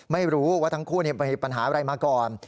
ไม่รู้ว่าทั้งคู่มีปัญหาอะไรมาก่อน